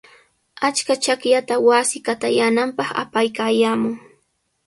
Achka chaqllata wasi qatayaananpaq apaykaayaamun.